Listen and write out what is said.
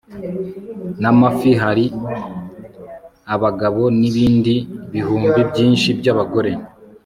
n amafi Hari abagabo n ibindi bihumbi byinshi by abagore